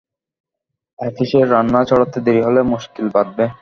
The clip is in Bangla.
আপিসের রান্না চড়াতে দেরি হলে মুশকিল বাধবে।